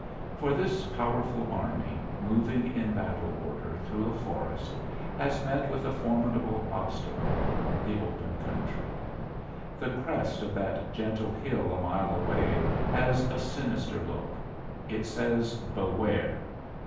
For this powerful army, moving in battle order through a forest, has met with a formidable obstacle the open country. The crest of that gentle hill a mile away has a sinister look; it says, Beware!